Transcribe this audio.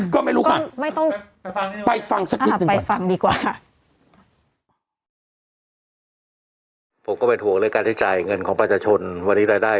ค่ะแล้วถ้าไม่มีเลยหรือครับ